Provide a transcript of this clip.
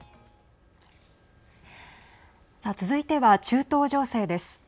さあ続いては、中東情勢です。